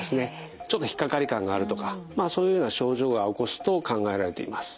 ちょっと引っ掛かり感があるとかそういうような症状が起こすと考えられています。